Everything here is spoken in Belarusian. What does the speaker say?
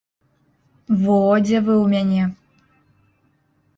Во дзе вы ў мяне!